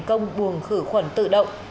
công buồng khử khuẩn tự động